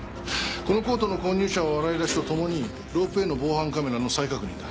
このコートの購入者を洗い出すとともにロープウエーの防犯カメラの再確認だ。